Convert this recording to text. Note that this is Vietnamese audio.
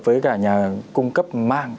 với cả nhà cung cấp mang